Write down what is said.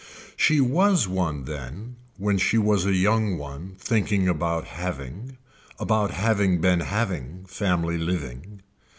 She was one then when she was a young one thinking about having, about having been having family living.